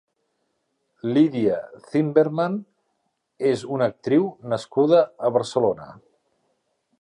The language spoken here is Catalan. Lydia Zimmermann és una actriu nascuda a Barcelona.